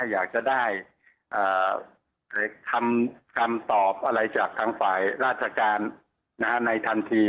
อยากจะได้คำตอบอะไรจากทางฝ่ายราชการในทันที